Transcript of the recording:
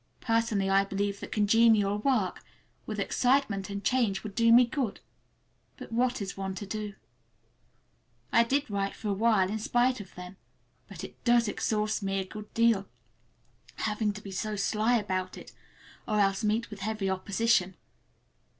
Personally, I believe that congenial work, with excitement and change, would do me good. But what is one to do? I did write for a while in spite of them; but it does exhaust me a good deal—having to be so sly about it, or else meet with heavy opposition.